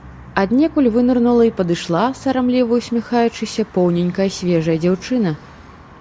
Аднекуль вынырнула і падышла, сарамліва ўсміхаючыся, поўненькая свежая дзяўчына.